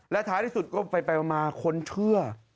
ท้ายที่สุดก็ไปมาคนเชื่อ